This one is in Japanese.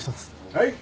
はい。